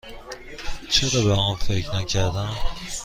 چرا به آن فکر نکردم؟